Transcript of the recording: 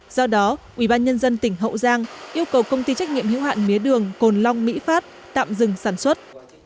do đó ubnd tỉnh hậu giang yêu cầu công ty trách nhiệm hữu hạn mía đường cồn long mỹ phát tạm dừng sản xuất